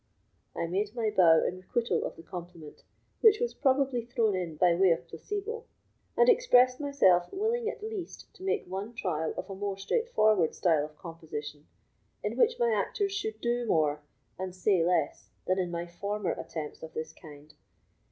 I made my bow in requital of the compliment, which was probably thrown in by way of placebo, and expressed myself willing at least to make one trial of a more straightforward style of composition, in which my actors should do more, and say less, than in my former attempts of this kind.